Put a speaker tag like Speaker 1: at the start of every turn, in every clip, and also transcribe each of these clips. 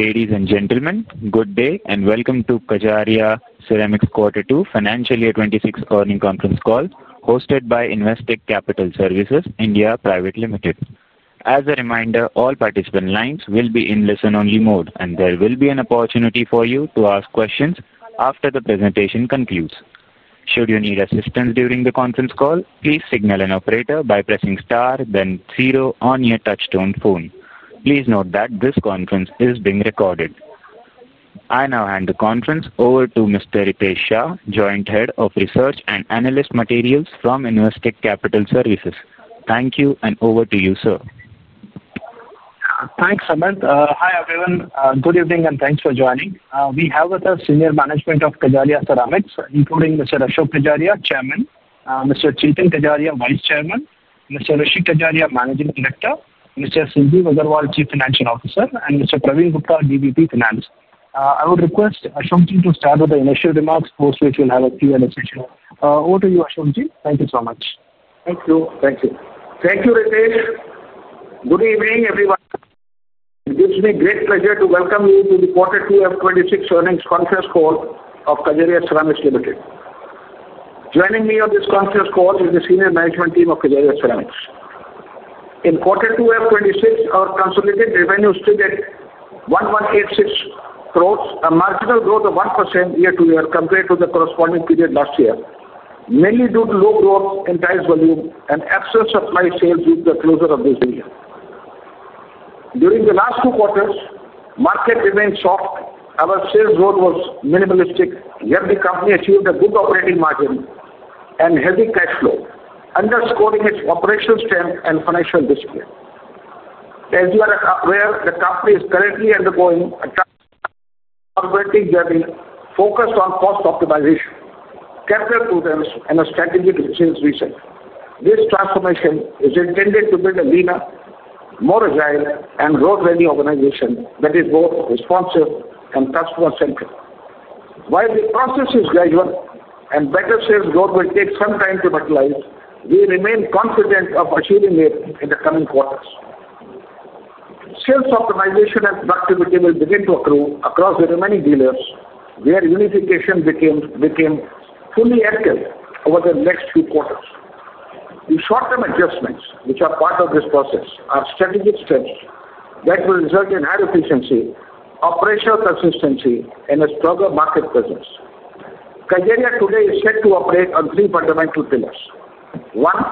Speaker 1: Ladies and gentlemen, good day and welcome to Kajaria Ceramics quarter two financial year 2026 earnings conference call hosted by Investec Capital Services (India) Private Limited. As a reminder, all participant lines will be in listen-only mode, and there will be an opportunity for you to ask questions after the presentation concludes. Should you need assistance during the conference call, please signal an operator by pressing star then zero on your touch-tone phone. Please note that this conference is being recorded. I now hand the conference over to Mr. Ritesh Shah, Joint Head of Research and Analyst Materials from Investec Capital Services. Thank you and over to you, sir.
Speaker 2: Thanks, Samantha. Hi everyone, good evening and thanks for joining. We have with us Senior Management of Kajaria Ceramics, including Mr. Ashok Kajaria, Chairman, Mr. Chetan Kajaria, Vice Chairman, Mr. Rishi Kajaria, Managing Director, Mr. Sanjeev Agarwal, Chief Financial Officer, and Mr. Parveen Gupta, DVP Finance. I would request Ashok to start with the initial remarks, post which we will have a clear decision. Over to you, Ashok. Thank you so much.
Speaker 3: Thank you, thank you, thank you Ritesh. Good evening everyone. It gives me great pleasure to welcome you to the quarter two FY 2026 earnings conference call of Kajaria Ceramics Limited. Joining me on this conference call is the Senior Management Team of Kajaria Ceramics. In quarter two FY 2026, our consolidated revenue stood at 1,186 crore, a marginal growth of 1% year-to-year compared to the corresponding period last year, mainly due to low growth in tiles volume and excess supply sales due to the closure of this region. During the last two quarters, the market remained soft. Our sales growth was minimalistic, yet the company achieved a good operating margin and healthy cash flow, underscoring its operational strength and financial discipline. As you are aware, the company is currently undergoing a transformative journey focused on cost optimization, capital pooling, and strategic decisions research. This transformation is intended to build a leaner, more agile, and growth-ready organization that is both responsive and customer-centric. While the process is gradual and better sales growth will take some time to materialize, we remain confident of achieving it in the coming quarters. Sales optimization and productivity will begin to accrue across the remaining years, where unification became fully active over the next few quarters. The short-term adjustments, which are part of this process, are strategic steps that will result in higher efficiency, operational consistency, and a stronger market presence. Kajaria today is set to operate on three fundamental pillars: one,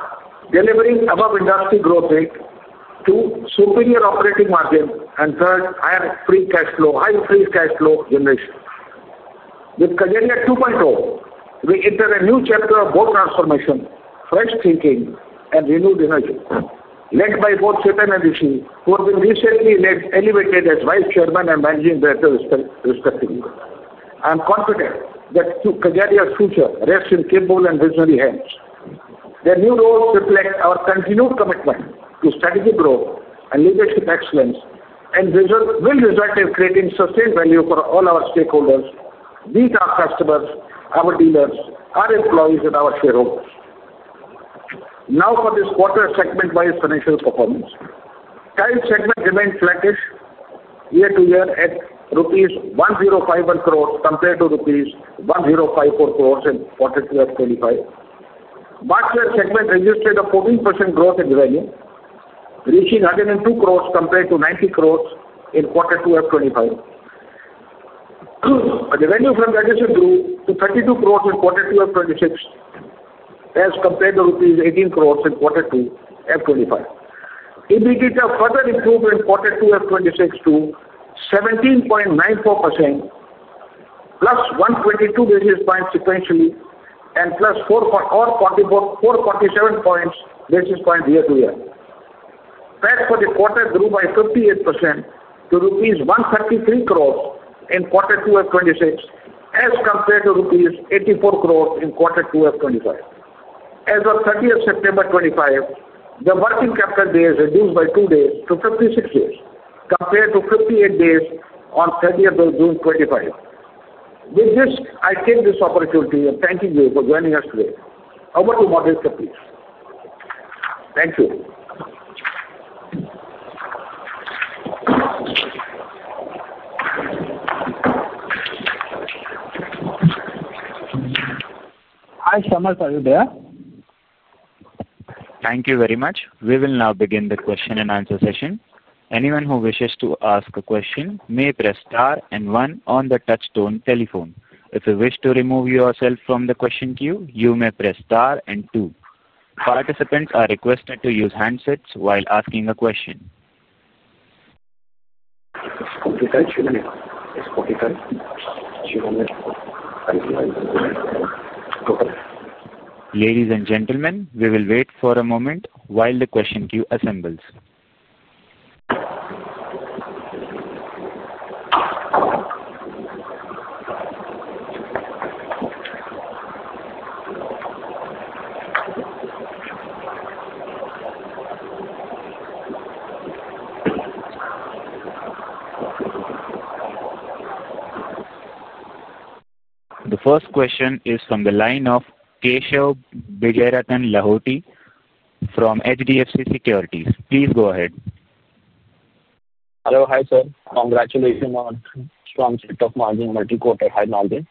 Speaker 3: delivering above industry growth rate; two, superior operating margin; and third, higher free cash flow generation. With Kajaria 2.0, we enter a new chapter of both transformation, fresh thinking, and renewed energy. Led by both Chetan and Rishi, who have been recently elevated as Vice Chairman and Managing Director respectively, I am confident that Kajaria's future rests in capable and visionary hands. Their new roles reflect our continued commitment to strategic growth and leadership excellence, and will result in creating sustained value for all our stakeholders, be it our customers, our dealers, our employees, and our shareholders. Now, for this quarter, segment-wise financial performance, tile segment remained flattish year to year at rupees 1,051 crore compared to rupees 1,054 crore in quarter two FY 2025. The market segment registered a 14% growth in revenue, reaching 102 crores compared to 90 crores in quarter two FY 2025. The revenue from the adjusted grew to 32 crores in quarter two FY 2026, as compared to rupees 18 crores in quarter two FY 2025. EBITDA further improved in quarter two FY 2026 to 17.94%, +122 basis points sequentially, and +447 basis points year-to-year. Past for the quarter, it grew by 58% to rupees 133 crores in quarter two FY 2026, as compared to rupees 84 crores in quarter two FY 2025. As of 30th September 2025, the working capital days reduced by two days to 56 days, compared to 58 days on 30th June 2025. With this, I take this opportunity and thank you for joining us today. Over to operator please.
Speaker 2: Hi, Samartha. Are you there?
Speaker 1: Thank you very much. We will now begin the question and answer session. Anyone who wishes to ask a question may press star and one on the touch-tone telephone. If you wish to remove yourself from the question queue, you may press star and two. Participants are requested to use handsets while asking a question. Ladies and gentlemen, we will wait for a moment while the question queue assembles. The first question is from the line of Keshav Bigharatan Lahoti from HDFC Securities. Please go ahead.
Speaker 4: Hello. Hi, sir. Congratulations on a strong set of margins in the quarter, high margin.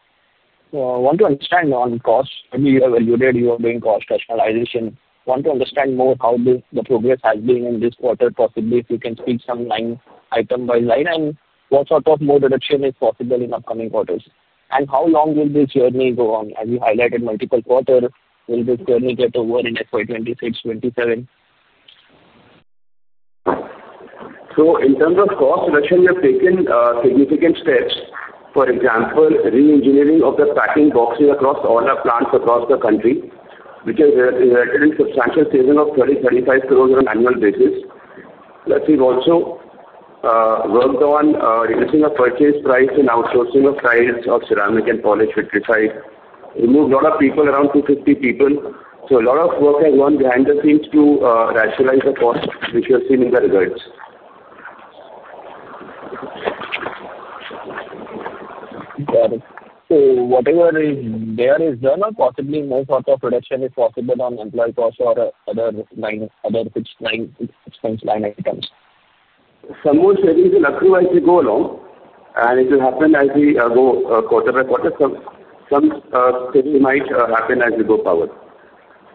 Speaker 4: I want to understand on cost. I mean, you evaluated your cost rationalization. I want to understand more how the progress has been in this quarter, possibly if you can speak some line item by line and what sort of more direction is possible in upcoming quarters. How long will this journey go on? As you highlighted multiple quarters, will this journey get over in FY 2026/2027?
Speaker 3: In terms of cost reduction, we have taken significant steps. For example, re-engineering of the packing boxes across all our plants across the country has resulted in a substantial saving of 30 crore, 35 crore on an annual basis. Plus, we've also worked on reducing our purchase price and outsourcing of tiles of ceramic and polish, which we've tried. We moved a lot of people, around 250 people. A lot of work has gone behind the scenes to rationalize the cost, which you have seen in the results.
Speaker 4: Got it. Whatever is there is done, or possibly no sort of reduction is possible on employee cost or other nine substantial line items?
Speaker 3: Some more savings will occur as we go along, and it will happen as we go quarter by quarter. Some savings might happen as we go forward.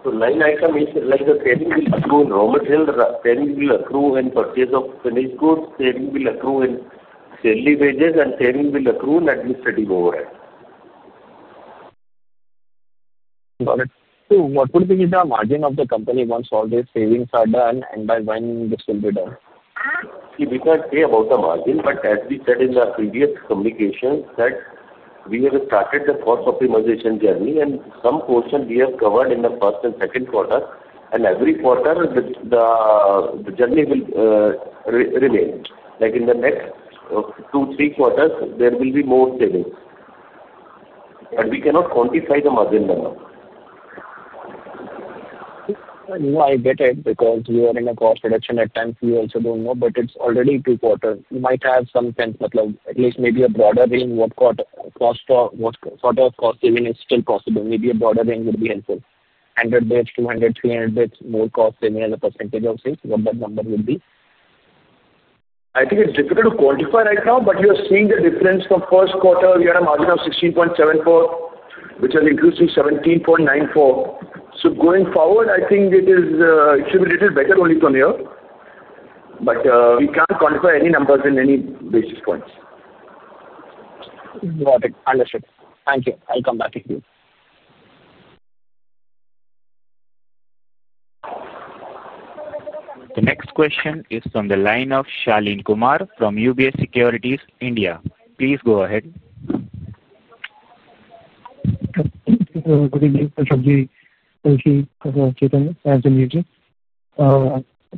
Speaker 3: Line item is like the savings will accrue in raw materials, savings will accrue in purchase of finished goods, savings will accrue in salary wages, and savings will accrue in administrative overhead.
Speaker 4: Got it. What would be the margin of the company once all these savings are done, and by when this will be done?
Speaker 3: We can't say about the margin, but as we said in the previous communications, we have started the cost optimization journey, and some portion we have covered in the first and second quarters. Every quarter, the journey will remain. In the next two to three quarters, there will be more savings, but we cannot quantify the margin by now.
Speaker 4: No, I get it because you are in a cost reduction. At times, we also don't know, but it's already two quarters. You might have some sense, at least maybe a broader range of what sort of cost saving is still possible. Maybe a broader range would be helpful: 100 days, 200, 300 days, more cost saving as a percentage of savings. What that number would be?
Speaker 3: I think it's difficult to quantify right now, but you are seeing the difference from the first quarter. We had a margin of 16.74%, which has increased to 17.94%. Going forward, I think it should be a little better only from here, but we can't quantify any numbers in any basis points.
Speaker 4: Got it. Understood. Thank you. I'll come back to you.
Speaker 1: The next question is from the line of Shaleen Kumar from UBS Securities India. Please go ahead.
Speaker 5: Good evening, Ashok. Rishi, Chetan has the muted.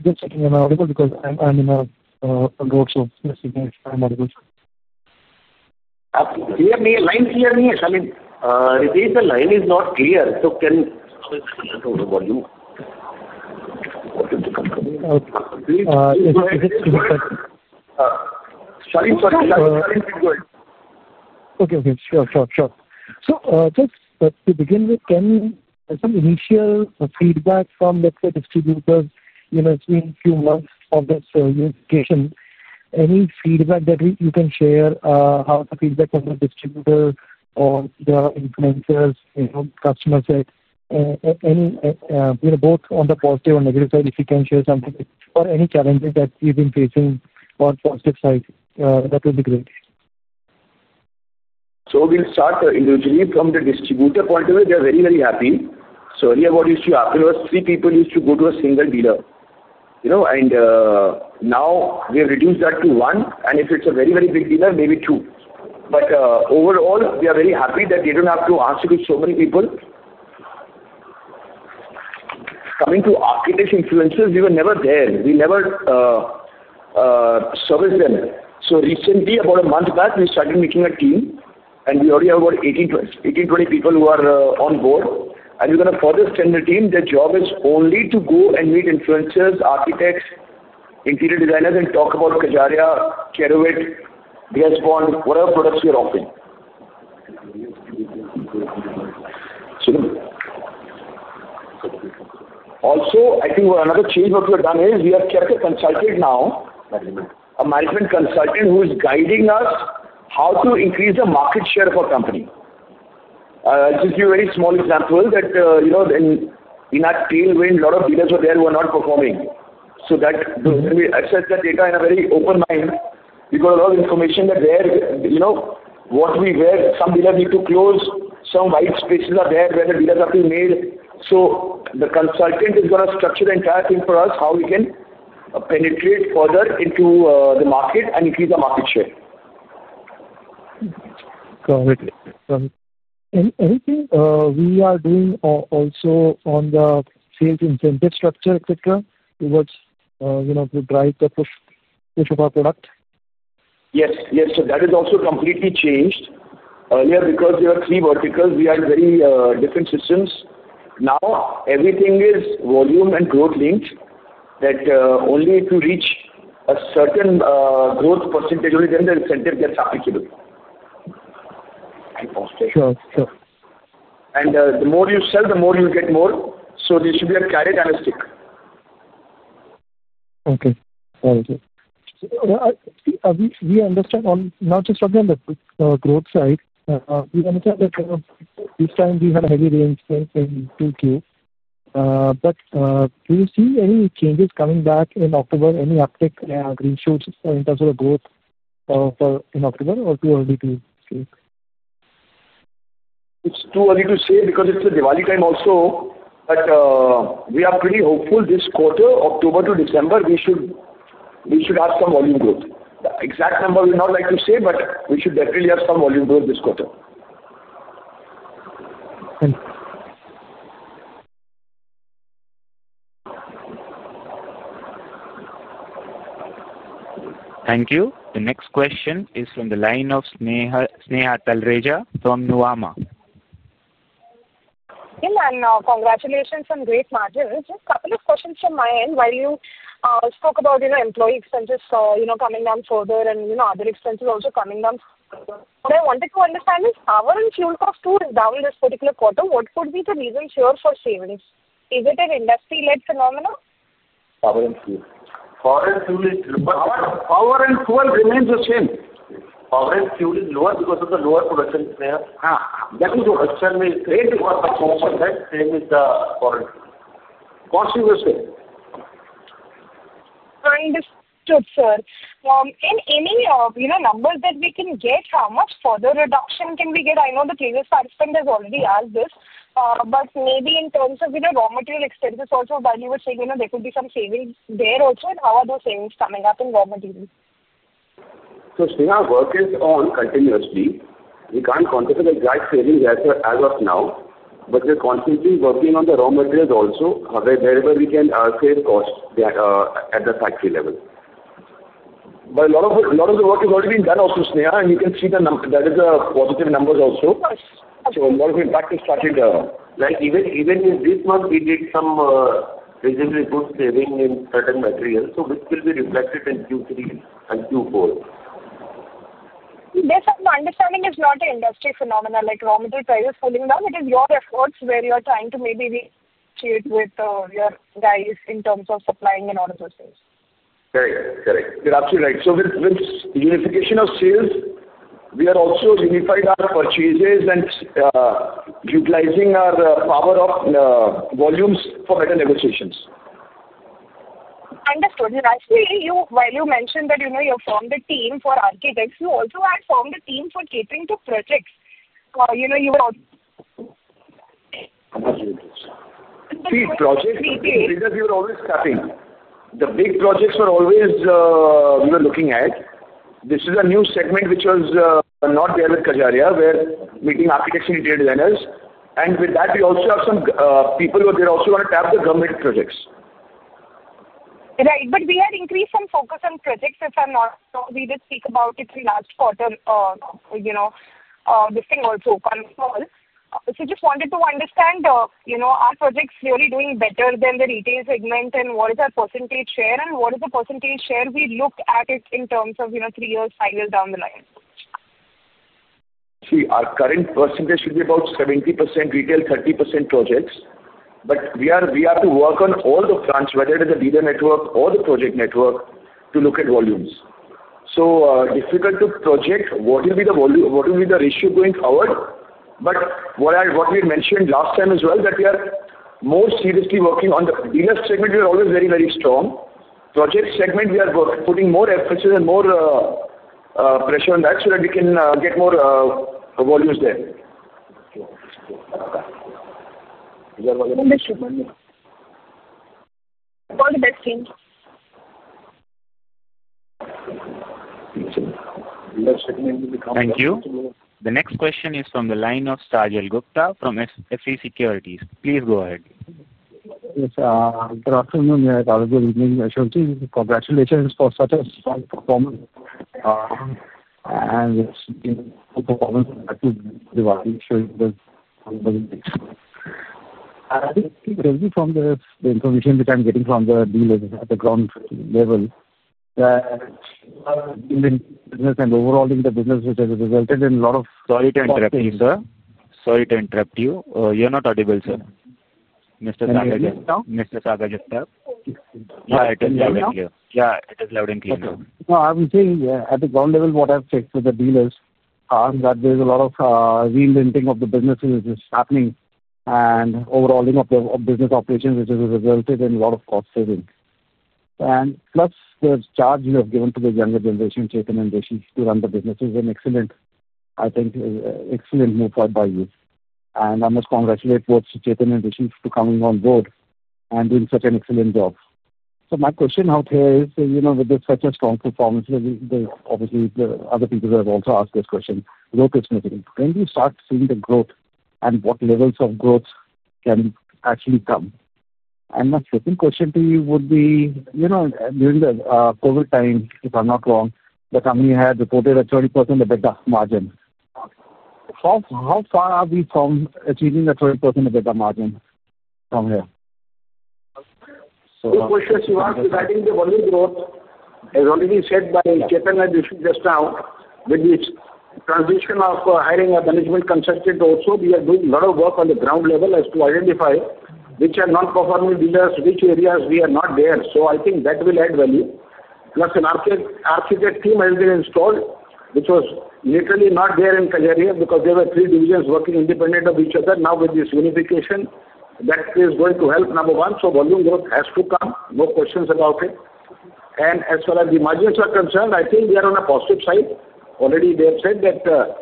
Speaker 5: Just checking in my audio because I'm in a road, so I'm speaking with my audio.
Speaker 3: Clear? Line clear? Shaleen, Ritesh, the line is not clear, so can...
Speaker 5: Okay, sure. Just to begin with, can some initial feedback from, let's say, distributors, you know, it's been a few months of this unification, any feedback that you can share? How is the feedback from the distributor or the influencers, you know, customer side? Any, you know, both on the positive or negative side, if you can share something or any challenges that you've been facing on the positive side, that would be great.
Speaker 3: We'll start. Individually, from the distributor point of view, they're very, very happy. Earlier, what used to happen was three people used to go to a single dealer, and now we've reduced that to one. If it's a very, very big dealer, maybe two. Overall, they are very happy that they don't have to answer to so many people. Coming to architects, influencers, we were never there. We never serviced them. Recently, about a month back, we started making a team, and we already have about 18-20 people who are on board. We're going to further extend the team. Their job is only to go and meet influencers, architects, interior designers, and talk about Kajaria, Kerovit, Despond, whatever products we are offering. Also, I think another change we have done is we have kept a consultant now, a management consultant who is guiding us how to increase the market share of our company. I'll just give a very small example that, in that tailwind, a lot of dealers were there who were not performing. We accessed that data with a very open mind. We got a lot of information that there, some dealers need to close, some white spaces are there where the dealers are being made. The consultant is going to structure the entire thing for us, how we can penetrate further into the market and increase the market share.
Speaker 5: Got it. Anything we are doing also on the sales incentive structure, etc., towards, you know, to drive the push of our product?
Speaker 3: Yes, yes. That has also completely changed. Earlier, because there were three verticals, we had very different systems. Now everything is volume and growth linked, that only if you reach a certain growth percentage, only then the incentive gets applicable.
Speaker 5: Sure, sure.
Speaker 3: The more you sell, the more you get. This should be a carrot and a stick.
Speaker 5: Okay. Got it. We understand not just on the growth side. We understand that this time we had a heavy reinforcement in Q2. Do you see any changes coming back in October? Any uptick in green shoots in terms of the growth for October or too early to say?
Speaker 3: It's too early to say because it's the Diwali time also, but we are pretty hopeful this quarter, October to December, we should have some volume growth. The exact number we would not like to say, but we should definitely have some volume growth this quarter.
Speaker 5: Thank you.
Speaker 1: Thank you. The next question is from the line of Sneha Talreja from Nuvama.
Speaker 6: Hello, and congratulations on great margins. Just a couple of questions from my end. While you spoke about, you know, employee expenses coming down further and, you know, other expenses also coming down, what I wanted to understand is power and fuel cost too is down this particular quarter. What would be the reason here for savings? Is it an industry-led phenomenon?
Speaker 3: Power and fuel is lower. Power and fuel remains the same. Power and fuel is lower because of the lower production there. That is the concern we faced because of the concept that savings are foreign. Cost is the same.
Speaker 6: Understood, sir. In any of, you know, numbers that we can get, how much further reduction can we get? I know the previous participant has already asked this, maybe in terms of, you know, raw material expenses also, you were saying, you know, there could be some savings there also. How are those savings coming up in raw materials?
Speaker 3: Sneha is working on continuously. We can't quantify the exact savings as of now, but we are constantly working on the raw materials also, wherever we can save cost at the factory level. A lot of the work has already been done also, Sneha, and you can see that is a positive number also. A lot of impact is starting to come. Like even in this month, we did some reasonably good saving in certain materials, so this will be reflected in Q3 and Q4.
Speaker 6: Based on my understanding, it's not an industry phenomenon like raw material prices falling down. It is your efforts where you're trying to maybe negotiate with your guys in terms of supplying and all of those things.
Speaker 3: Correct, correct. You're absolutely right. With the unification of sales, we are also unifying our purchases and utilizing our power of volumes for better negotiations.
Speaker 6: Understood. While you mentioned that you formed a team for architects, you also had formed a team for catering to projects. You were.
Speaker 3: See, projects and projects, you were always tapping. The big projects were always we were looking at. This is a new segment which was not there with Kajaria, where meeting architects and interior designers. With that, we also have some people who are there also going to tap the government projects.
Speaker 6: Right. We had increased some focus on projects, if I'm not wrong. We did speak about it in the last quarter. This thing also confirmed. I just wanted to understand, are projects really doing better than the retail segment, and what is our percentage share, and what is the percentage share we look at in terms of three years, five years down the line?
Speaker 3: See, our current percentage should be about 70% retail, 30% projects. We are to work on all the fronts, whether it is the dealer network or the project network, to look at volumes. It is difficult to project what will be the volume, what will be the ratio going forward. What we mentioned last time as well, we are more seriously working on the dealer segment. We are always very, very strong. Project segment, we are putting more emphasis and more pressure on that so that we can get more volumes there.
Speaker 6: Understood.
Speaker 1: Thank you. The next question is from the line of Sajal Gupta from FE Securities. Please go ahead.
Speaker 7: Yes, good afternoon, or good evening, Ashok. Congratulations for such a strong performance. It's been a performance that was really surreal. I think from the information which I'm getting from the dealers at the ground level, that our business and overall in the business, which has resulted in a lot of.
Speaker 1: Sorry to interrupt you, sir. Sorry to interrupt you. You're not audible, sir. Mr. Sajal?
Speaker 7: Yes, I am now.
Speaker 1: Mr. Sajal, yeah, it is loud and clear. Yeah, it is loud and clear.
Speaker 7: Okay. No, I'm saying, yeah, at the ground level, what I've checked with the dealers is that there's a lot of reinventing of the businesses which is happening and overhauling of the business operations, which has resulted in a lot of cost savings. Plus, the charge you have given to the younger generation, Chetan and Rishi, to run the business is an excellent, I think, excellent move by you. I must congratulate both Chetan and Rishi for coming on board and doing such an excellent job. My question out here is, you know, with such a strong performance, there's obviously other people who have also asked this question. Locals making it. When do you start seeing the growth and what levels of growth can actually come? My second question to you would be, you know, during the COVID time, if I'm not wrong, the company had reported a 30% EBITDA margin. How far are we from achieving a 30% EBITDA margin from here?
Speaker 3: The question you asked is, I think the volume growth is already said by Chetan and Rishi just now, with the transition of hiring a management consultant also. We are doing a lot of work on the ground level as to identify which are non-performing dealers, which areas we are not there. I think that will add value. Plus, an architect team has been installed, which was literally not there in Kajaria because there were three divisions working independent of each other. Now, with this unification, that is going to help, number one. Volume growth has to come. No questions about it. As far as the margins are concerned, I think they are on a positive side. Already they have said that the,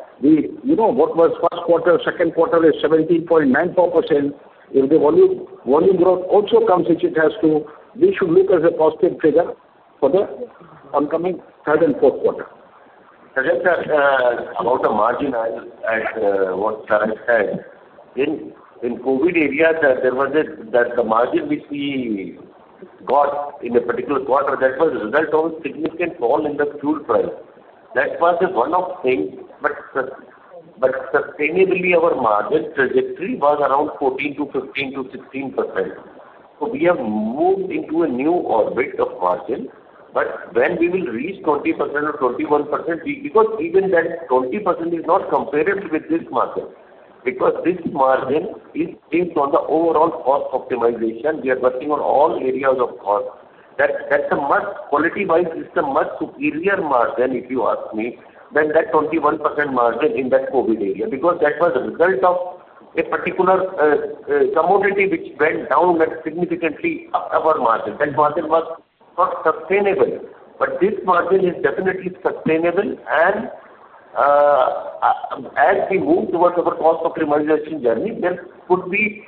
Speaker 3: you know, what was first quarter, second quarter is 17.94%. If the volume growth also comes, which it has to, we should look as a positive figure for the oncoming third and fourth quarter.
Speaker 8: Sir, about the margin and what Sajal said, in COVID areas, the margin which we got in a particular quarter was a result of a significant fall in the fuel price. That was one of the things, but sustainably, our margin trajectory was around 14% to 15% to 16%. We have moved into a new orbit of margin. When we will reach 20% or 21%, even that 20% is not comparable with this margin, because this margin is based on the overall cost optimization. We are working on all areas of cost. Quality-wise, it's a much superior margin if you ask me than that 21% margin in that COVID area, because that was a result of a particular commodity which went down that significantly up our margin. That margin was not sustainable. This margin is definitely sustainable. As we move towards our cost optimization journey, there could be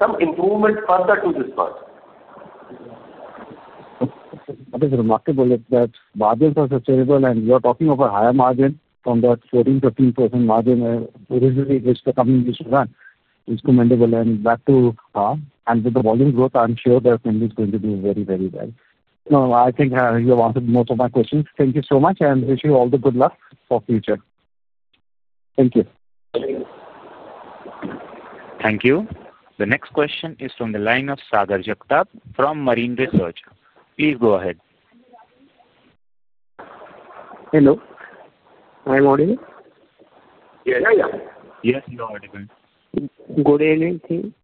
Speaker 8: some improvement further to this margin.
Speaker 7: That is remarkable that margins are sustainable, and you are talking of a higher margin from that 14%, 15% margin originally which the company used to run. Impressive. Back to. Huh? With the volume growth, I'm sure the company is going to do very, very well. I think you have answered most of my questions. Thank you so much, and I wish you all the good luck for the future. Thank you.
Speaker 1: Thank you. The next question is from the line of Sagar Jagtap from Marine Research. Please go ahead.
Speaker 9: Hello. Am I audible?
Speaker 3: Yes.
Speaker 9: Yes, you are audible. Good evening, team.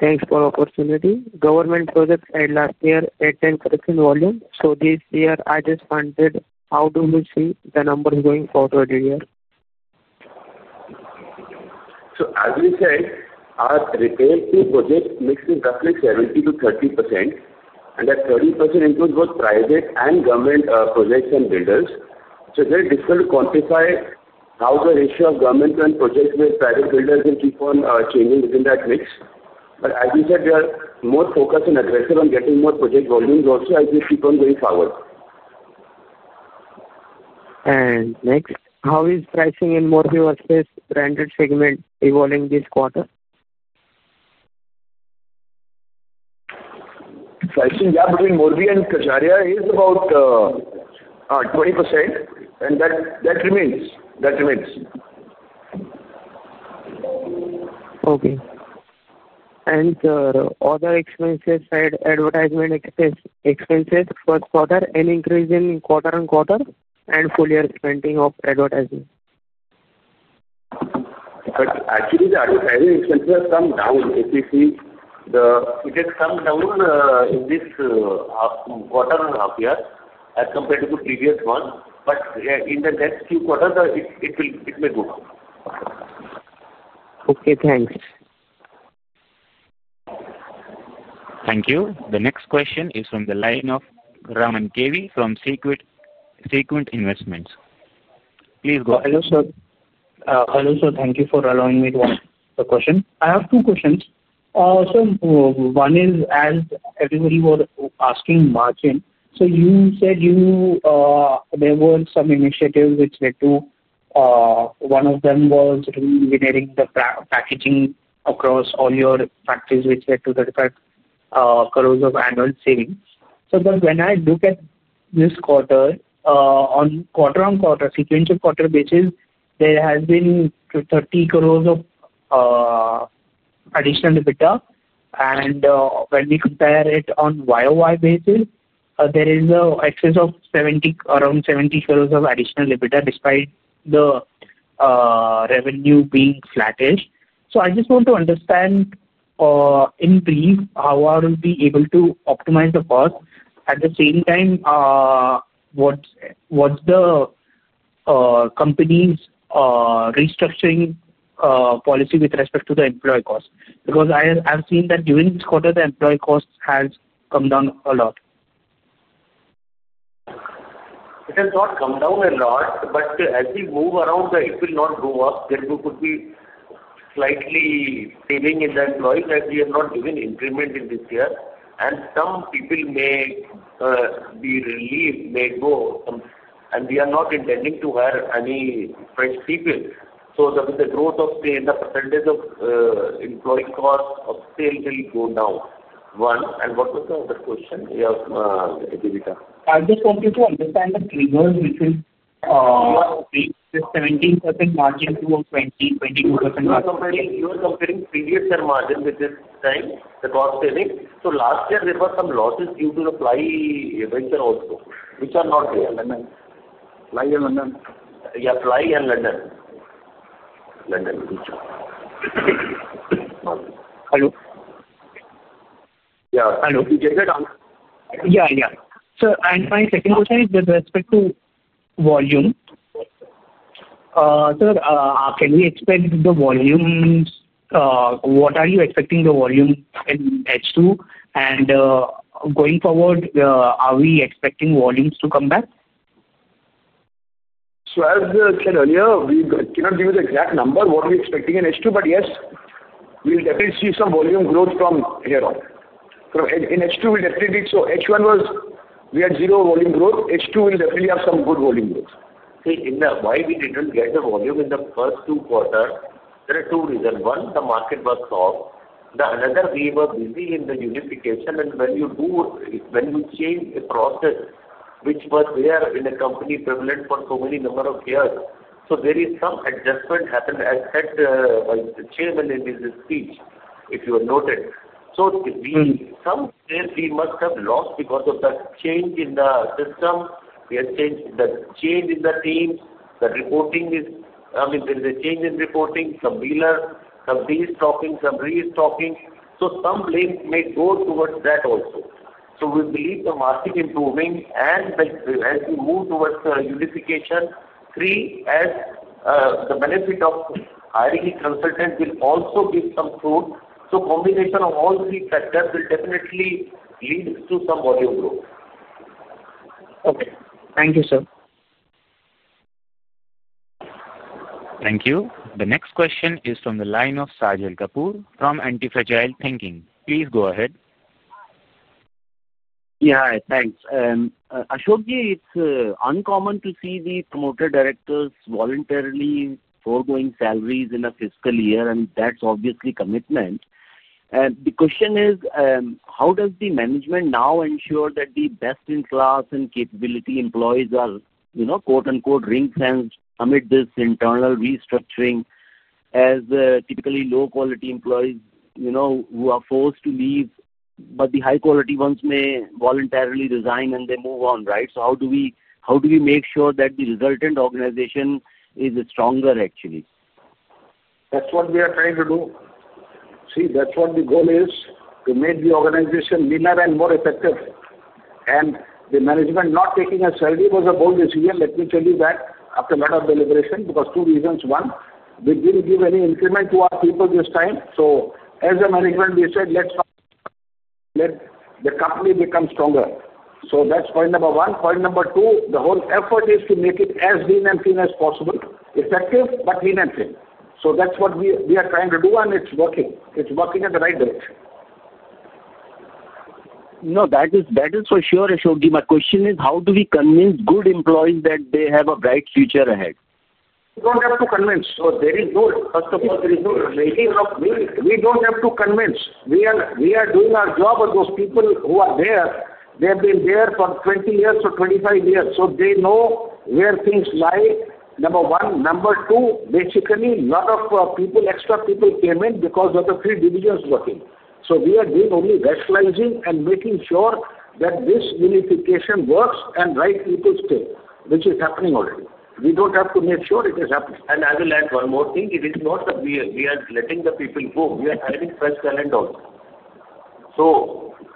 Speaker 9: Thanks for the opportunity. Government projects had last year a 10% volume. This year, I just wondered, how do we see the numbers going forward to the year?
Speaker 3: As we said, our retail projects mix in roughly 70% to 30%. That 30% includes both private and government projects and builders. It's very difficult to quantify how the ratio of government and projects with private builders will keep on changing within that mix. As you said, we are more focused and aggressive on getting more project volumes also as we keep on going forward.
Speaker 9: How is pricing in Morbi workspace branded segment evolving this quarter?
Speaker 3: Pricing gap between Morbi and Kajaria is about 20%. That remains. That remains.
Speaker 9: Okay. Other expenses had advertisement expenses for further an increase in quarter on quarter and full year spending of advertising.
Speaker 3: Actually, the advertising expenses have come down. It has come down in this quarter and half year as compared to the previous one. In the next few quarters, it may go up.
Speaker 9: Okay. Thanks.
Speaker 1: Thank you. The next question is from the line of Rahman KV from Sequent Investments. Please go.
Speaker 10: Hello, sir. Thank you for allowing me to ask the question. I have two questions. One is, as everybody was asking margin, you said there were some initiatives which led to, one of them was re-engineering the packaging across all your factories, which led to INR 35 crore of annual savings. When I look at this quarter, on a sequential quarter basis, there has been 30 crore of additional EBITDA. When we compare it on a YoY basis, there is an excess of around 70 crore of additional EBITDA despite the revenue being flattish. I just want to understand, in brief, how are we able to optimize the cost? At the same time, what's the company's restructuring policy with respect to the employee cost? Because I have seen that during this quarter, the employee cost has come down a lot.
Speaker 8: It has not come down a lot, but as we move around, it will not go up. There could be slight saving in the employees as we are not giving increments this year. Some people may be relieved, may go, and we are not intending to hire any fresh people. There is a growth of the percentage of employee cost of sale will go down. One, and what was the other question? Yeah, Adivita.
Speaker 10: I just wanted to understand the trigger, which is the 17% margin through 20%, 22% margin.
Speaker 8: You are comparing previous year margin, which is this time, the cost savings. Last year, there were some losses due to the fly events also, which are not real.
Speaker 10: Fly and London?
Speaker 8: Yeah, fly in London. Yeah.
Speaker 10: Hello.
Speaker 3: Did you get it on?
Speaker 10: Sir, my second question is with respect to volume. Sir, can we expect the volumes? What are you expecting the volume in H2? Going forward, are we expecting volumes to come back?
Speaker 3: As I said earlier, we cannot give you the exact number of what we're expecting in H2, but yes, we'll definitely see some volume growth from here on. In H2, we'll definitely see. H1 was, we had zero volume growth. H2 will definitely have some good volume growth.
Speaker 8: See, in the why we didn't get the volume in the first two quarters, there are two reasons. One, the market was soft. Another, we were busy in the unification. When you change a process, which was there in the company prevalent for so many number of years, there is some adjustment happened as said by Chairman in his speech, if you have noted. Some sales we must have lost because of that change in the system. We had changed the change in the teams. The reporting is, I mean, there is a change in reporting. Some dealers, some de-stocking, some re-stocking. Some length may go towards that also. We believe the market improving and as we move towards unification, three, as the benefit of hiring a consultant will also give some fruit. A combination of all three factors will definitely lead to some volume growth.
Speaker 10: Okay, thank you, sir.
Speaker 1: Thank you. The next question is from the line of Sajal Kapoor from Antifragile Thinking. Please go ahead.
Speaker 11: Yeah, thanks. Ashok, it's uncommon to see the promoter directors voluntarily foregoing salaries in a fiscal year, and that's obviously commitment. The question is, how does the management now ensure that the best-in-class and capability employees are, you know, quote-unquote, "ring-fenced" amid this internal restructuring as typically low-quality employees, you know, who are forced to leave, but the high-quality ones may voluntarily resign and they move on, right? How do we make sure that the resultant organization is stronger, actually?
Speaker 3: That's what we are trying to do. See, that's what the goal is, to make the organization leaner and more effective. The management not taking a salary was a bold decision. Let me tell you that after a lot of deliberation, because two reasons. One, we didn't give any increment to our people this time. As a management, we said, let the company become stronger. That's point number one. Point number two, the whole effort is to make it as lean and clean as possible, effective but lean and clean. That's what we are trying to do, and it's working. It's working in the right direction.
Speaker 11: No, that is for sure, Ashok. My question is, how do we convince good employees that they have a bright future ahead?
Speaker 3: We don't have to convince. There is no, first of all, there is no rating. We don't have to convince. We are doing our job, and those people who are there, they have been there for 20 years or 25 years. They know where things lie, number one. Number two, basically, a lot of people, extra people came in because of the three divisions working. We are doing only rationalizing and making sure that this unification works and right people stay, which is happening already. We don't have to make sure it is happening. I will add one more thing. It is not that we are letting the people go. We are hiring fresh talent also.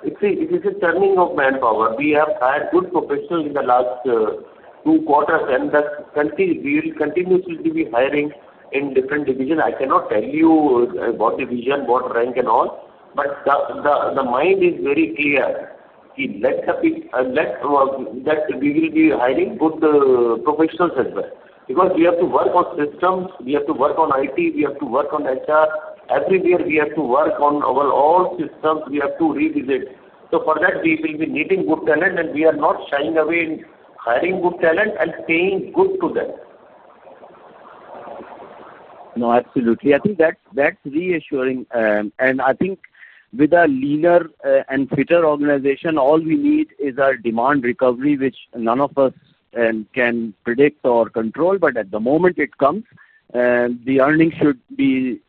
Speaker 3: You see, it is a turning of manpower. We have hired good professionals in the last two quarters, and the company will continuously be hiring in different divisions. I cannot tell you what division, what rank and all, but the mind is very clear that we will be hiring good professionals as well because we have to work on systems. We have to work on IT. We have to work on HR. Every year, we have to work on our own systems. We have to revisit. For that, we will be needing good talent, and we are not shying away in hiring good talent and staying good to them.
Speaker 11: No, absolutely. I think that's reassuring. I think with a leaner and fitter organization, all we need is our demand recovery, which none of us can predict or control. At the moment it comes, the earnings should be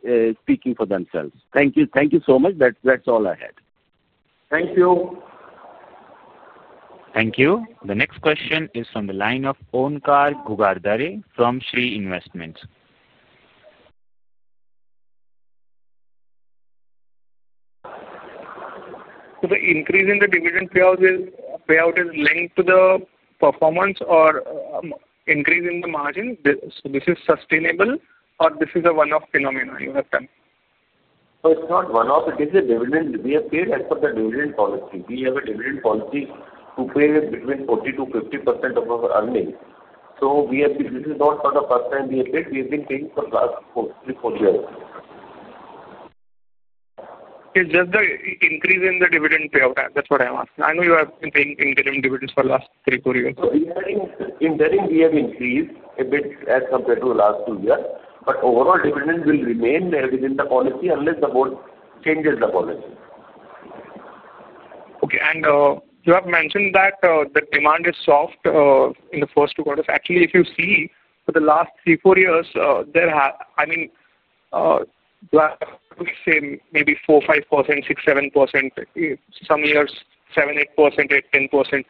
Speaker 11: speaking for themselves. Thank you. Thank you so much. That's all I had.
Speaker 3: Thank you.
Speaker 1: Thank you. The next question is from the line of Omkar Gugardhare from Shree Investments.
Speaker 12: Is the increase in the dividend payout linked to the performance or increase in the margins? Is this sustainable, or is this a one-off phenomenon you have done?
Speaker 3: It is not one-off. It is a dividend. We have paid as per the dividend policy. We have a dividend policy to pay between 40%-50% of our earnings. This is not for the first time we have paid. We have been paying for the last three, four years.
Speaker 12: It's just the increase in the dividend payout. That's what I'm asking. I know you have been paying dividends for the last three, four years.
Speaker 3: In that, we have increased a bit as compared to the last two years. Overall, dividends will remain within the policy unless the board changes the policy.
Speaker 12: Okay. You have mentioned that the demand is soft in the first two quarters. Actually, if you see for the last three, four years, there have, I mean, I would say maybe 4%, 5%, 6%, 7%. Some years, 7%, 8%, 10%.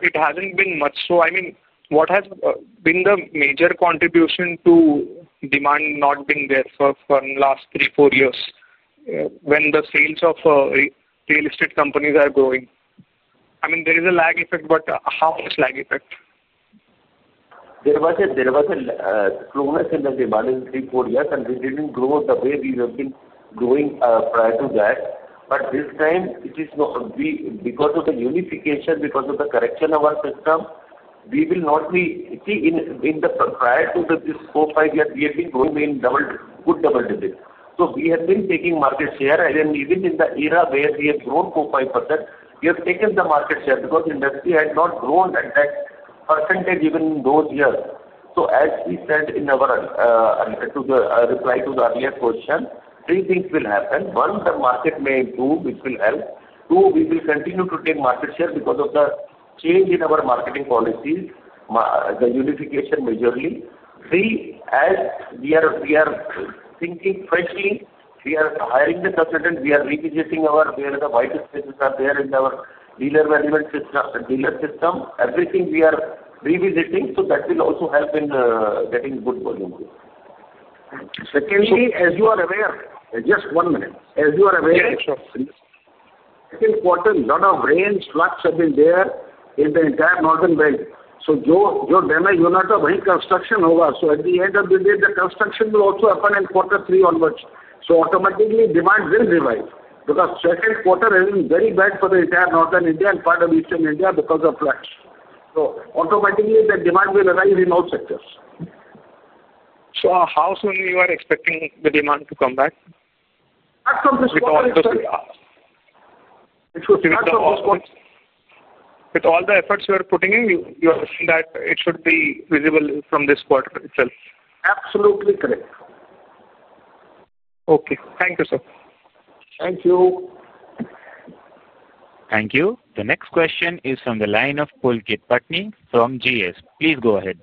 Speaker 12: It hasn't been much. What has been the major contribution to demand not being there for the last three, four years when the sales of real estate companies are growing? There is a lag effect, but how much lag effect?
Speaker 3: There was a slowness in the demand in three, four years, and we didn't grow the way we have been growing prior to that. This time, it is not because of the unification, because of the correction of our system, we will not be, see, prior to this four, five years, we have been growing in good double digits. We have been taking market share. Even in the era where we have grown 4%, 5%, we have taken the market share because the industry had not grown at that percentage even in those years. As we said in our reply to the earlier question, three things will happen. One, the market may improve, which will help. Two, we will continue to take market share because of the change in our marketing policies, the unification majorly. Three, as we are thinking freshly, we are hiring the consultants. We are revisiting where the white spaces are there in our dealer management system, dealer system. Everything we are revisiting. That will also help in getting good volume. Secondly, as you are aware, in the second quarter, a lot of rains, floods have been there in the entire northern bank. Your damage you're not sure, but construction will be there. At the end of the day, the construction will also happen in quarter three onwards. Automatically, demand will revive because the second quarter has been very bad for the entire northern India and part of eastern India because of floods. Automatically, the demand will arise in all sectors.
Speaker 12: How soon are you expecting the demand to come back?
Speaker 3: Not from this quarter, sir.
Speaker 12: With all the efforts you are putting in, you are saying that it should be visible from this quarter itself.
Speaker 3: Absolutely correct.
Speaker 12: Okay, thank you, sir.
Speaker 3: Thank you.
Speaker 1: Thank you. The next question is from the line of Pulkit Patni from GS. Please go ahead.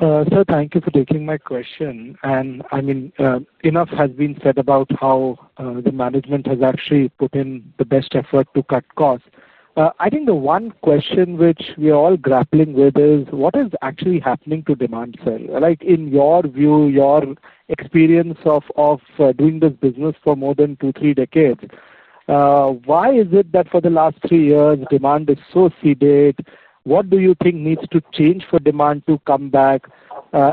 Speaker 13: Sir, thank you for taking my question. Enough has been said about how the management has actually put in the best effort to cut costs. I think the one question which we are all grappling with is, what is actually happening to demand itself? In your view, your experience of doing this business for more than two, three decades, why is it that for the last three years, demand is so sedate? What do you think needs to change for demand to come back?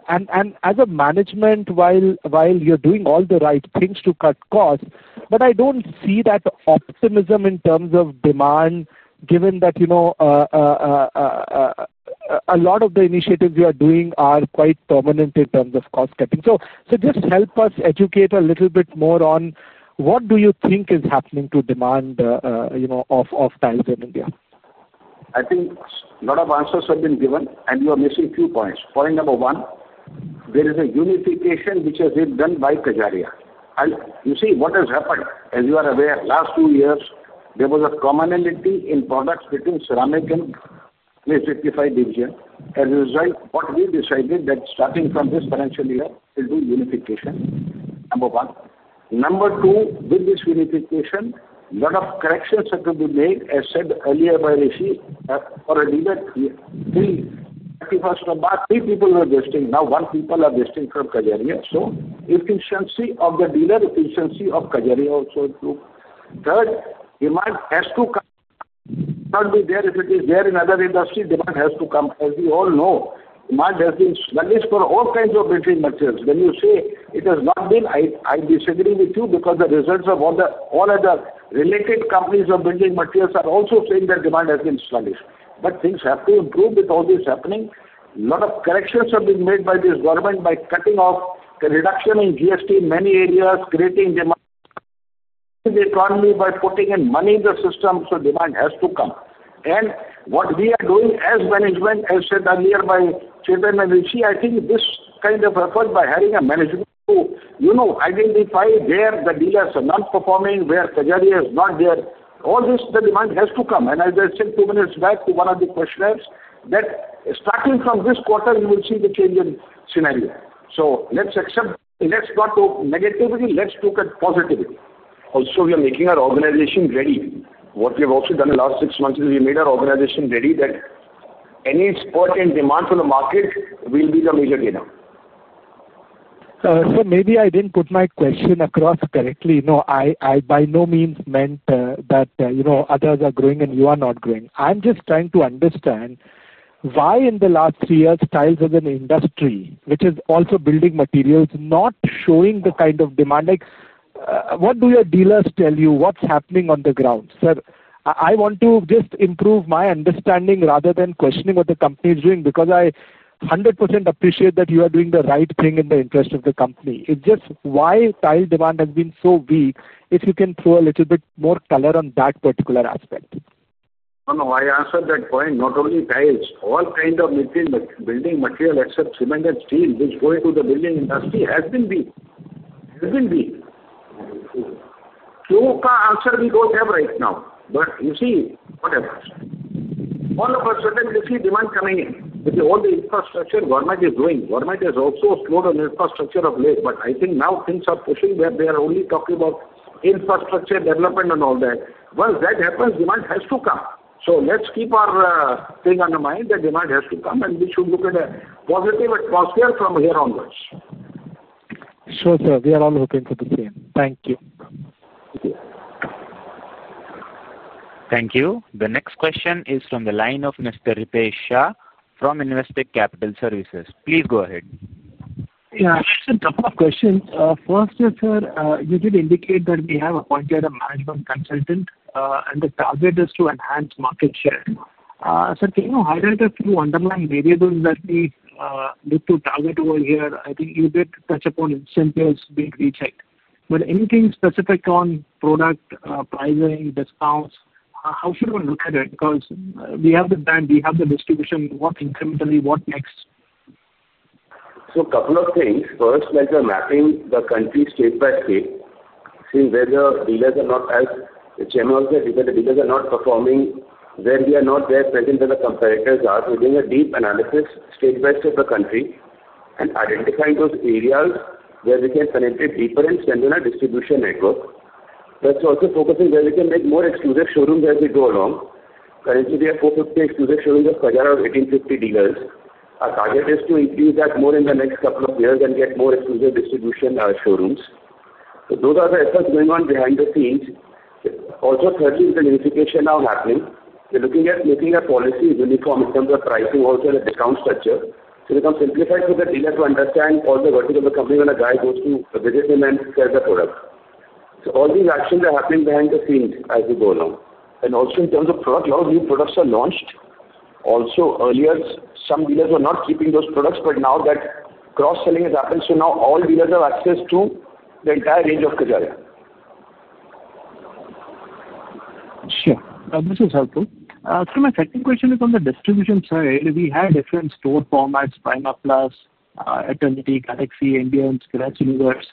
Speaker 13: As a management, while you're doing all the right things to cut costs, I don't see that optimism in terms of demand, given that a lot of the initiatives you are doing are quite dominant in terms of cost cutting. Please help us educate a little bit more on what you think is happening to demand of tiles in India.
Speaker 3: I think a lot of answers have been given, and you are missing a few points. Point number one, there is a unification which has been done by Kajaria. You see what has happened. As you are aware, the last two years, there was a commonality in products between ceramic and 355 division. As a result, what we decided is that starting from this financial year, we'll do unification, number one. Number two, with this unification, a lot of corrections have to be made, as said earlier by Rishi. For a dealer, see, 31st of March, three people were vesting. Now one person is vesting from Kajaria. The efficiency of the dealer and the efficiency of Kajaria also improved. Third, demand has to come. It can't be there if it is there in other industries. Demand has to come. As we all know, demand has been sluggish for all kinds of building materials. When you say it has not been, I disagree with you because the results of all the other related companies of building materials are also saying that demand has been sluggish. Things have to improve with all this happening. A lot of corrections have been made by this government by cutting off the reduction in GST in many areas, creating demand in the economy by putting in money in the system. Demand has to come. What we are doing as management, as said earlier by Chetan and Rishi, I think this kind of effort by hiring a management to identify where the dealers are not performing, where Kajaria is not there, all this, the demand has to come. As I said two minutes back to one of the questionnaires, starting from this quarter, you will see the change in scenario. Let's accept. Let's not talk negativity. Let's look at positivity. Also, we are making our organization ready. What we have also done in the last six months is we made our organization ready that any spurt in demand from the market will be the major dinner.
Speaker 13: Sir, maybe I didn't put my question across correctly. No, I by no means meant that, you know, others are growing and you are not growing. I'm just trying to understand why in the last three years, tiles as an industry, which is also building materials, is not showing the kind of demand. Like, what do your dealers tell you? What's happening on the ground? Sir, I want to just improve my understanding rather than questioning what the company is doing because I 100% appreciate that you are doing the right thing in the interest of the company. It's just why tile demand has been so weak if you can throw a little bit more color on that particular aspect.
Speaker 3: No, no. I answered that point. Not only tiles, all kinds of building materials, except cement and steel, which go into the building industry, have been weak. They have been weak. Two answers we don't have right now. You see, whatever. All of a sudden, you see demand coming in with all the infrastructure government is doing. Government has also slowed on the infrastructure of late. I think now things are pushing where they are only talking about infrastructure development and all that. Once that happens, demand has to come. Let's keep our thing on the mind that demand has to come, and we should look at a positive atmosphere from here onwards.
Speaker 13: Sure, sir. We are all hoping for the same. Thank you.
Speaker 1: Thank you. The next question is from the line of Mr. Ritesh Shah from Investec Capital Services. Please go ahead.
Speaker 2: Yeah, actually, a couple of questions. First, sir, you did indicate that we have appointed a management consultant, and the target is to enhance market share. Sir, can you highlight a few underlying variables that we need to target over here? I think you did touch upon incentives being rechecked. Anything specific on product pricing, discounts? How should we look at it? We have the brand, we have the distribution. What incrementally? What next?
Speaker 3: A couple of things. First, we are mapping the country state by state to see where the dealers are not, where the dealers are not performing, where they are not present, and where the competitors are. We're doing a deep analysis state by state of the country and identifying those areas where we can connect deeper and extend our distribution network. That's also focusing on where we can make more exclusive showrooms as we go along. Currently, we have 450 exclusive showrooms of Kajaria and 1,850 dealers. Our target is to increase that more in the next couple of years and get more exclusive distribution showrooms. Those are the efforts going on behind the scenes. Also, the unification is now happening. We're looking at making a policy uniform in terms of pricing and the discount structure to become simplified so that dealers will understand all the verticals of the company when a guy goes to visit them and sells the product. All these actions are happening behind the scenes as we go along. In terms of products, a lot of new products are launched. Earlier, some dealers were not keeping those products, but now that cross-selling has happened, all dealers have access to the entire range of Kajaria.
Speaker 2: Sure. This is helpful. Sir, my second question is on the distribution side. We had different store formats: Prima Plus, Eternity, Galaxy, Ambience, Gres Universe.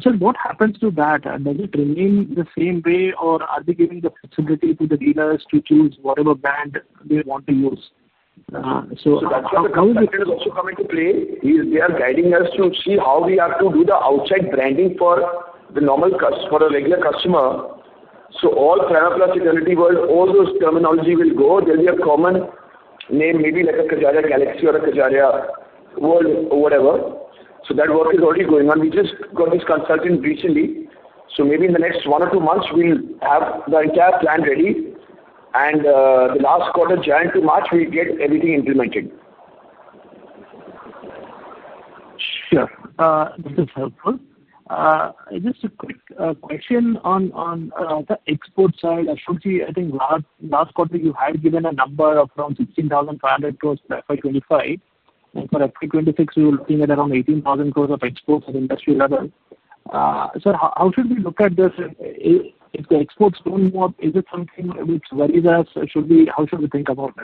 Speaker 2: Sir, what happens to that? Does it remain the same way, or are we giving the flexibility to the dealers to choose whatever brand they want to use?
Speaker 3: That's how the dealers also come into play. They are guiding us to see how we are going to do the outside branding for the normal customer, for a regular customer. All Prima Plus, Eternity World, all those terminologies will go. There will be a common name, maybe like a Kajaria Galaxy or a Kajaria World or whatever. That work is already going on. We just got this consultant recently. Maybe in the next one or two months, we'll have the entire plan ready. The last quarter, January to March, we'll get everything implemented.
Speaker 2: Sure. This is helpful. Just a quick question on the export side. Ashok Ji, I think last quarter you had given a number of around 16,500 crore for FY 2025. For FY 2026, we were looking at around 18,000 crore of exports at the industry level. Sir, how should we look at this? If the exports don't go up, is it something which worries us? How should we think about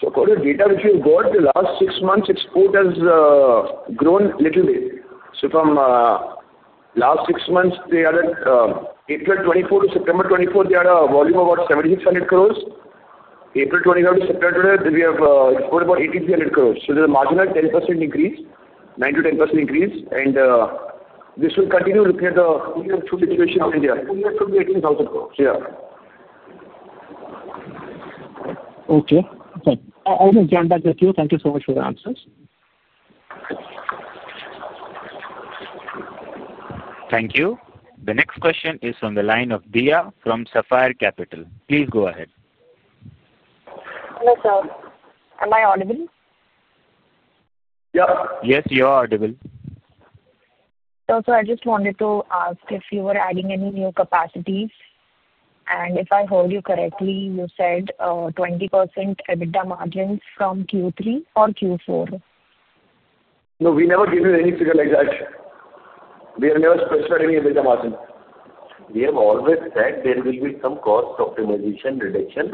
Speaker 2: it?
Speaker 3: For the data which you got, the last six months, export has grown a little bit. From the last six months, they added April 2024 to September 2024, they had a volume of about 7,600 crore. April 2025 to September 2028, we have exported about 8,300 crore. There's a marginal 10% increase, 9%-10% increase. This will continue looking at the two-year situation in India. Two years should be INR 18,000 crore. Yeah.
Speaker 2: Okay, thanks. I will join back with you. Thank you so much for your answers.
Speaker 1: Thank you. The next question is from the line of Deya from Sapphire Capital. Please go ahead.
Speaker 14: Hello, sir. Am I audible?
Speaker 3: Yeah.
Speaker 1: Yes, you are audible.
Speaker 14: Sir, I just wanted to ask if you were adding any new capacities. If I heard you correctly, you said 20% EBITDA margins from Q3 or Q4.
Speaker 3: No, we never give you any figure like that. We have never specified any EBITDA margin. We have always said there will be some cost optimization reduction.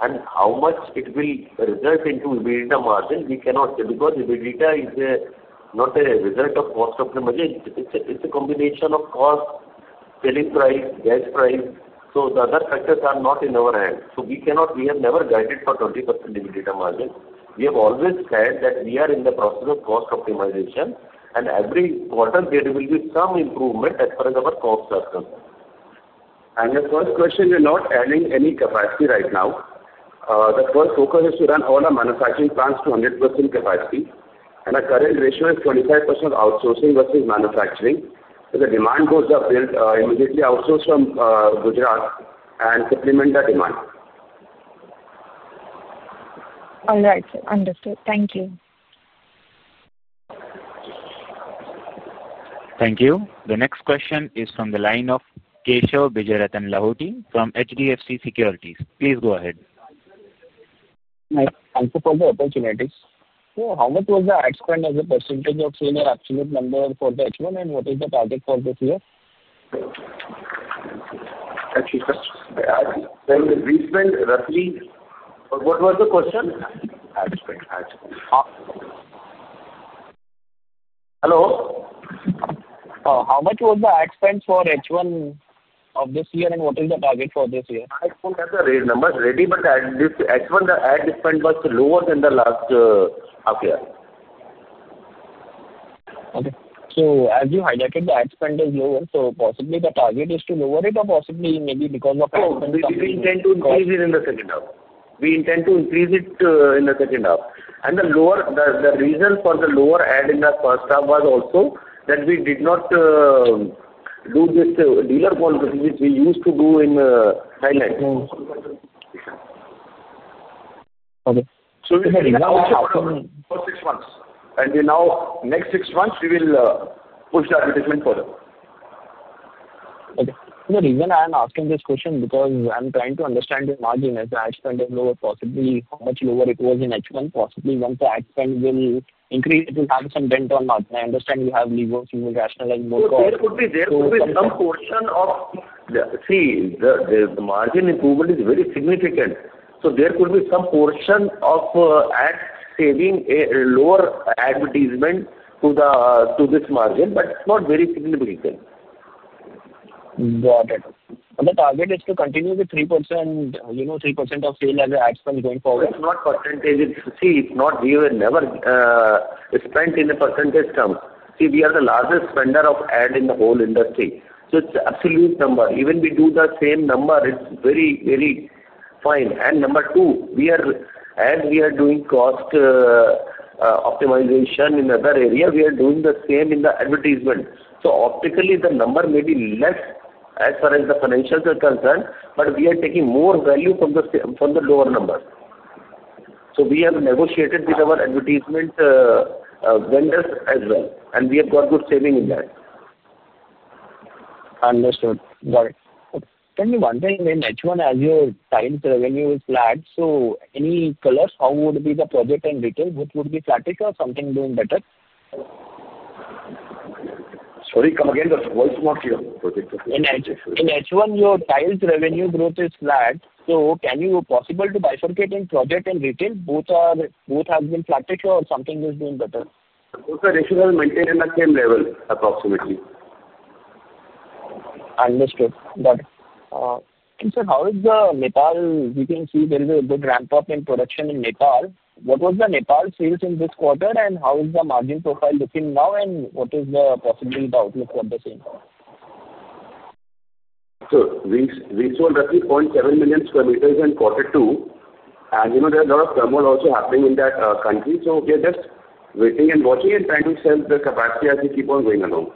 Speaker 3: How much it will result into EBITDA margin, we cannot say because EBITDA is not a result of cost optimization. It's a combination of cost, selling price, gas price. The other factors are not in our hands. We have never guided for 20% EBITDA margin. We have always said that we are in the process of cost optimization. Every quarter, there will be some improvement as far as our costs are concerned. The first question, we're not adding any capacity right now. The first focus is to run all our manufacturing plants to 100% capacity. Our current ratio is 25% of outsourcing versus manufacturing. If the demand goes up, we'll immediately outsource from Gujarat and supplement that demand.
Speaker 14: All right. Understood. Thank you.
Speaker 1: Thank you. The next question is from the line of Keshav Bajajratna Lahoti from HDFC Securities. Please go ahead.
Speaker 4: Thank you for the opportunity. Sir, how much was the ad spend as a % of sale or absolute number for the H1, and what is the target for this year?
Speaker 3: Actually, I think there was a respend, roughly. What was the question?
Speaker 8: Ad spend.
Speaker 3: Hello?
Speaker 4: Oh, how much was the ad spend for H1 of this year, and what is the target for this year?
Speaker 3: I think that the range number is ready, but this H1, the ad spend was lower than the last half year.
Speaker 4: Okay. As you highlighted, the ad spend is lower. Possibly the target is to lower it or maybe because of ad spend.
Speaker 3: We intend to increase it in the second half. The reason for the lower ad spend in the first half was also that we did not do these dealer policies which we used to do in Thailand.
Speaker 4: Okay.
Speaker 3: We're heading now for six months, and in the next six months, we will push the advertisement further.
Speaker 4: Okay. The reason I am asking this question is because I'm trying to understand the margin as the ad spend is lower. Possibly how much lower it was in H1, possibly once the ad spend will increase, it will have some dent on margin. I understand you have legal team who rationalize more costs.
Speaker 3: There could be some portion of the margin improvement is very significant. There could be some portion of ad spend saving, a lower advertisement to this margin, but it's not very significant thing.
Speaker 4: Got it. The target is to continue with 3% of sale as an ad spend going forward?
Speaker 3: It's not percentage. See, it's not. We were never spent in a percentage term. See, we are the largest spender of ad in the whole industry. It's an absolute number. Even if we do the same number, it's very, very fine. Number two, as we are doing cost optimization in other areas, we are doing the same in the advertisement. Optically, the number may be less as far as the financials are concerned, but we are taking more value from the lower number. We have negotiated with our advertisement vendors as well, and we have got good saving in that.
Speaker 4: Understood. Got it. Can you wonder in H1 as your tiles revenue is flat? Any colors? How would be the project and retail? What would be flatter or something doing better?
Speaker 3: Sorry, come again? The voice is not clear.
Speaker 4: In H1, your tiles revenue growth is flat. Can you possibly bifurcate in project and retail? Both have been flatter or something is doing better?
Speaker 3: Both are rationally maintained at the same level, approximately.
Speaker 4: Understood. Got it. Sir, how is Nepal? We can see there is a good ramp-up in production in Nepal. What was the Nepal sales in this quarter, and how is the margin profile looking now? What is the possibility of the outlook for the same?
Speaker 3: We sold roughly 0.7 million sq m in quarter two. There is a lot of turmoil also happening in that country. We are just waiting and watching and trying to sell the capacity as we keep on going along.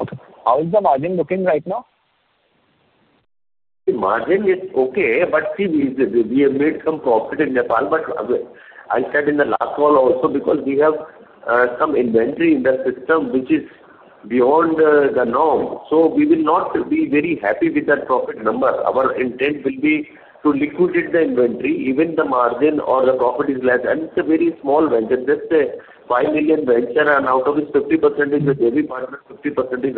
Speaker 4: Okay, how is the margin looking right now?
Speaker 3: The margin is okay, but see, we have made some profit in Nepal. I said in the last call also because we have some inventory in the system which is beyond the norm. We will not be very happy with that profit number. Our intent will be to liquidate the inventory even if the margin or the profit is less. It's a very small venture, just a [5 million] venture, and out of it, 50% is the JV partner, 50% is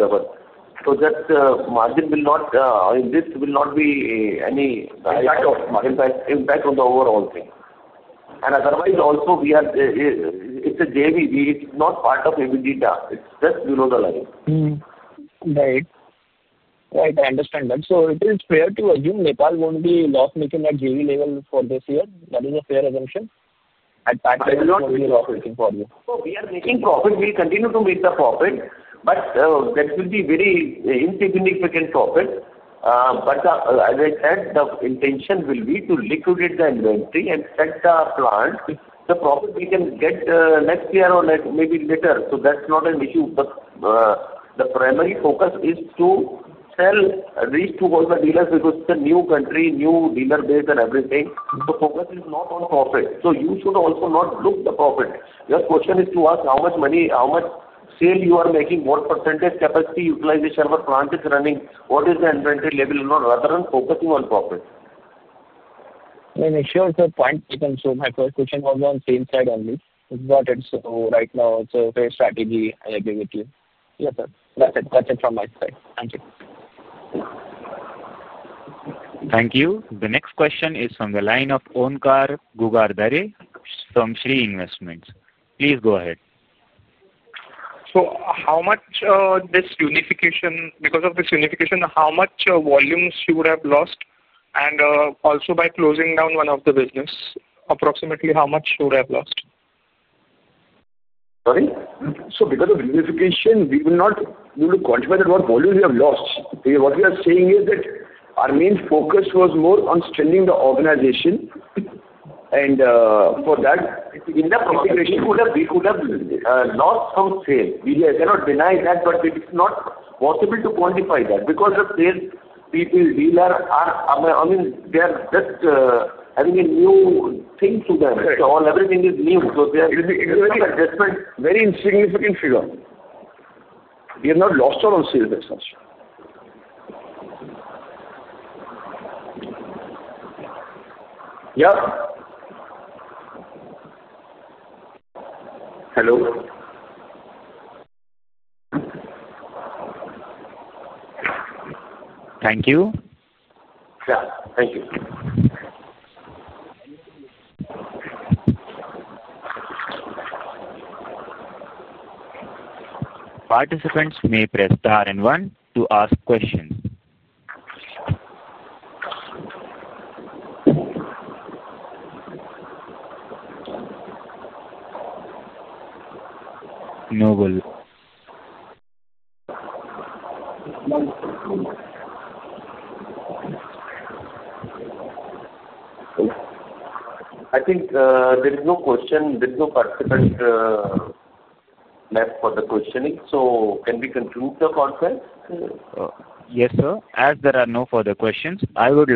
Speaker 3: ours. That margin will not, in this, will not be any impact on the overall thing. Otherwise, also, it's a JV. It's not part of EBITDA. It's just below the line.
Speaker 4: Right. I understand that. It is fair to assume Nepal won't be loss-making at JV level for this year? That is a fair assumption?
Speaker 3: I will not say.
Speaker 4: It will not be loss-making for you.
Speaker 3: We are making profit. We continue to make the profit, but that will be very insignificant profit. As I said, the intention will be to liquidate the inventory and set the plan. The profit we can get next year or maybe later. That's not an issue. The primary focus is to sell, reach to all the dealers because it's a new country, new dealer base, and everything. The focus is not on profit. You should also not look at the profit. Your question is to ask how much money, how much sale you are making, what percentage capacity utilization of our plant is running, what is the inventory level, and all, rather than focusing on profit.
Speaker 4: It shows the point you can show. My first question was on the same side only. It's about it. Right now, it's a fair strategy. I agree with you. Yes, sir. That's it from my side. Thank you.
Speaker 1: Thank you. The next question is from the line of Omkar Gugardhare from Shree Investments. Please go ahead.
Speaker 12: How much this unification, because of this unification, how much volume should I have lost? Also, by closing down one of the business, approximately how much should I have lost?
Speaker 3: Sorry, because of unification, we will not be able to quantify what volume we have lost. What we are saying is that our main focus was more on strengthening the organization. For that, in that configuration, we could have lost some sales. We cannot deny that, but it is not possible to quantify that because the sales people, dealers, I mean, they are just having a new thing to them. Everything is new, so they are making adjustments, very insignificant figure. We have not lost our own sales as such. Yeah. Hello.
Speaker 1: Thank you.
Speaker 3: Yeah, thank you.
Speaker 1: Participants may press the star and one to ask questions. Noble.
Speaker 3: I think there is no question. There is no participant left for the questioning. Can we conclude the conference?
Speaker 1: Yes, sir. As there are no further questions, I would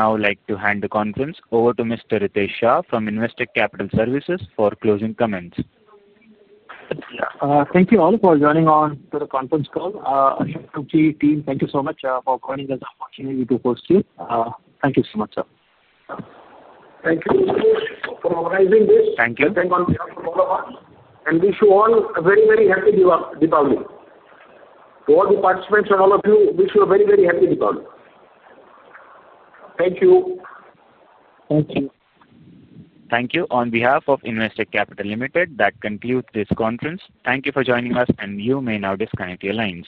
Speaker 1: now like to hand the conference over to Mr. Ritesh Shah from Investec Capital Services for closing comments.
Speaker 2: Thank you all for joining on to the conference call. Ashok, Rishi, team, thank you so much for joining this opportunity to host you. Thank you so much, sir.
Speaker 3: Thank you for organizing this.
Speaker 1: Thank you.
Speaker 3: Thank you on behalf of all of us. Wish you all a very, very happy Diwali. To all the participants and all of you, wish you a very, very happy Diwali. Thank you.
Speaker 2: Thank you.
Speaker 1: Thank you. On behalf of Investec Capital Limited, that concludes this conference. Thank you for joining us, and you may now disconnect your lines.